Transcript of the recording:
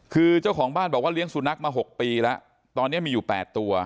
คือเจ้าของบ้านบอกว่าเลี้ยงสุนัขมา๖ปีแล้วตอนนี้มีอยู่๘ตัว